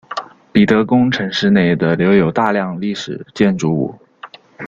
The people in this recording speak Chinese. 彼得宫城市内的留有大量历史建筑物。